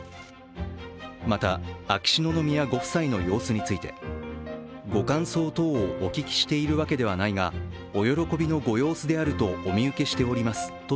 また、秋篠宮ご夫妻の様子についてご感想等をお聞きしているわけではないがお喜びのご様子であるとお見受けしておりますと